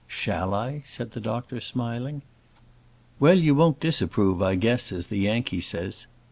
"Shall I?" said the doctor, smiling. "Well, you won't disapprove, I guess, as the Yankee says.